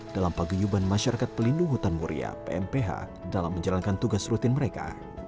dalam paguyuban masyarakat pelindung hutan muria pmph dalam menjalankan tugas rutin mereka